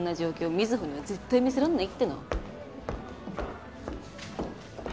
瑞穂には絶対見せらんないっての。